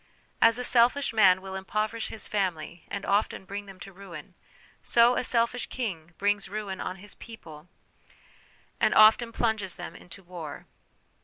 As a selfish man will impoverish his family and often bring them to ruin ; so a selfish king brings ruin on his people and often plunges them into war.